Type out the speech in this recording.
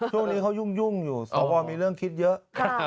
ช่วงนี้เขายุ่งอยู่สวมีเรื่องคิดเยอะ